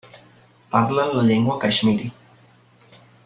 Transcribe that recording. Parlen la llengua caixmiri.